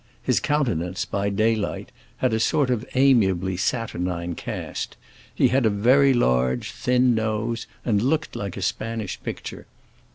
His countenance, by daylight, had a sort of amiably saturnine cast; he had a very large thin nose, and looked like a Spanish picture.